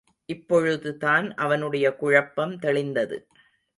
இப்பொழுதுதான் அவனுடைய குழப்பம் தெளிந்தது.